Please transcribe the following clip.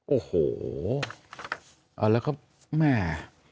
โอ้โหแล้วก็แม่